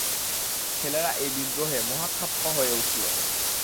ছেলেরা এই বিদ্রোহে মহা খাপ্পা হয়ে উঠল।